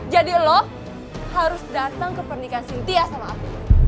jadi lo harus datang ke pernikahan cynthia sama afif